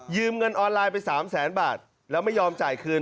เงินออนไลน์ไป๓แสนบาทแล้วไม่ยอมจ่ายคืน